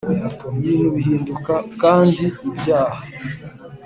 ibintu bihinduka kandi ibyaha